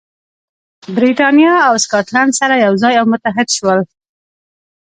برېټانیا او سکاټلند سره یو ځای او متحد شول.